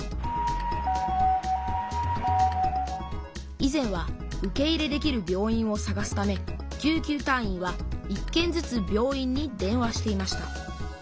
以前は受け入れできる病院をさがすため救急隊員は１けんずつ病院に電話していました。